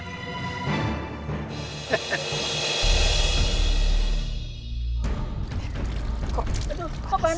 masakan oleh kalian